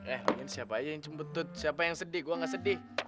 eh mungkin siapa aja yang jembetut siapa yang sedih gue gak sedih